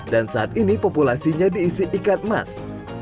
dan saat ini populasinya diisi ikat emas